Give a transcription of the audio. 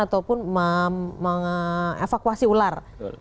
ataupun mengevakuasi ular